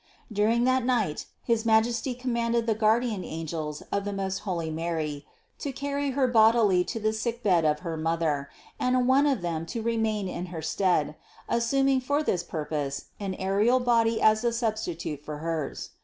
During that night his Majesty commanded the guardian angels of the most holy Mary to carry Her bod ily to the sickbed of her mother and one of them to remain in her stead, assuming for this purpose an aerial body as a substitute for hers.